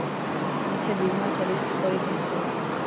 مڇر بيمار ڪري ڇڏسي.